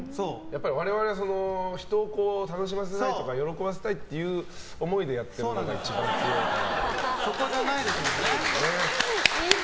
我々は人を楽しませたいというか喜ばせたいという思いでやってるのが一番強いから。